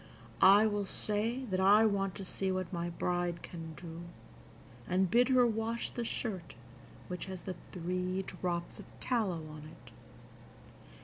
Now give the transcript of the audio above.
I will say that I want to see what my bride can do, and bid her wash the shirt which has the three drops of tallow on it.